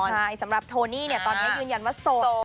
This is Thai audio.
ใช่สำหรับโทนี่ตอนนี้ยืนยันว่าโสด